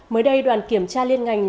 mới đây đoàn kiểm tra liên ngành